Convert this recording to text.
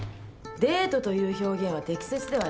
デートという表現は適切ではありませんね。